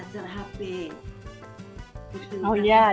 untuk kakak dan ibu yang lain